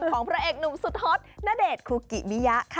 พระเอกหนุ่มสุดฮอตณเดชน์คุกิมิยะค่ะ